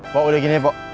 pak udah gini ya pak